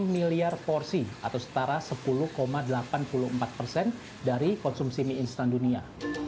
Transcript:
dua belas enam miliar porsi atau setara sepuluh delapan puluh empat dari konsumsi mie instan dunia